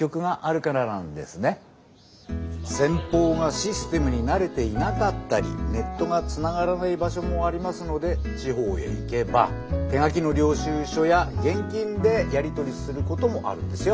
先方がシステムに慣れていなかったりネットがつながらない場所もありますので地方へ行けば手書きの領収書や現金でやり取りすることもあるんですよ。